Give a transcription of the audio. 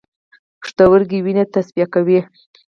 پښتورګي وینه تصفیه کوي